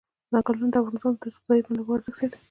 ځنګلونه د افغانستان د اقتصادي منابعو ارزښت زیاتوي.